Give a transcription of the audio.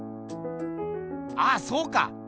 ああそうか！